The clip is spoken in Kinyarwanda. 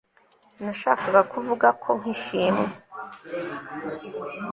nashakaga kuvuga ko nkishimwe